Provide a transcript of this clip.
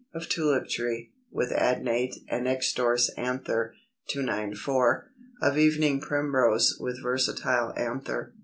Of Tulip tree, with adnate (and extrorse) anther. 294. Of Evening Primrose, with versatile anther.